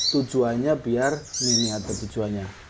tujuannya biar ini ada tujuannya